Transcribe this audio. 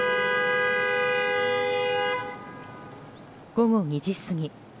午後２時過ぎ。